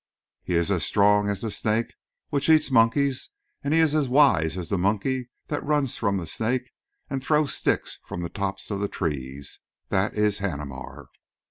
He is as strong as the snake which eats monkeys, and he is as wise as the monkeys that run from the snake and throw sticks from the tops of the trees. That is Haneemar.